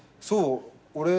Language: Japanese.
そう。